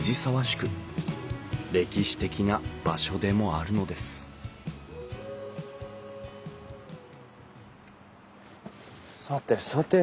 歴史的な場所でもあるのですさてさて